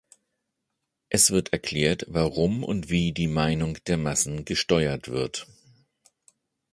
Es wird erklärt, warum und wie die Meinung der Massen gesteuert wird.